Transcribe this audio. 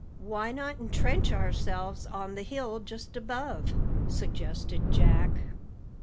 "Why not entrench ourselves on the hill just above?" suggested Jack.